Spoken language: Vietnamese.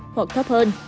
hoặc thấp hơn